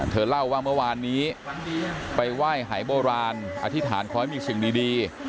เธอเล่าว่าเมื่อวานนี้ไปไหว้หายโบราณอธิษฐานขอให้มีสิ่งดี